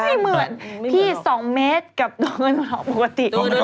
ไม่เหมือนพี่๒เมตรกับตัวเงินปกติ